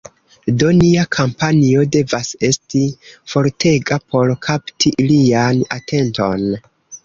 Do, nia kampanjo devas esti fortega por kapti ilian atenton